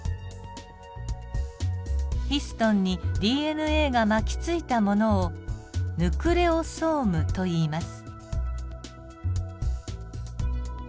ヒストンにＤＮＡが巻きついたものをヌクレオソームといいます。